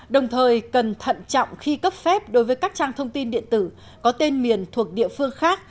đồng thời cần thận trọng khi cấp phép đối với các trang thông tin điện tử có tên miền thuộc địa phương khác